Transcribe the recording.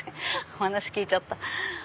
お話聞いちゃった。